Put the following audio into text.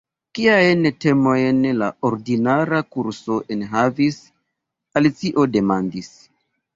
"Kiajn temojn la ordinara kurso enhavis?" Alicio demandis.